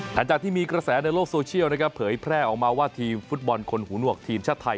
หลังจากที่มีกระแสในโลกโซเชียลนะครับเผยแพร่ออกมาว่าทีมฟุตบอลคนหูหนวกทีมชาติไทย